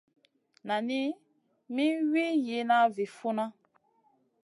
Nani mi Wii yihna vi funna.